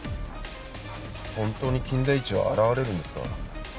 本当に金田一は現れるんですか？